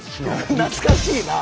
懐かしいな！